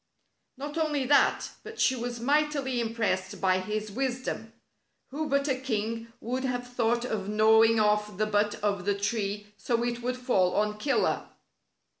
Not only that, but she was mightily im pressed by his wisdom. Who but a king would have thought of gnawing off the butt of the tree so it would fall on Killer!